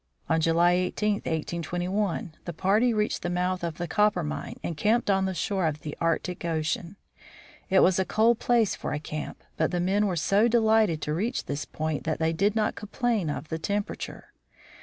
On July 1 8, 1821, the party reached the mouth of the Coppermine and camped on the shore of the Arctic ocean. It was a cold place for a camp, but the men were so de lighted to reach this point that they did not complain of the temperature.